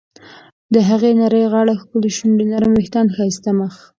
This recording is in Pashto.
د هغې نرۍ غاړه، ښکلې شونډې ، نرم ویښتان، ښایسته مخ..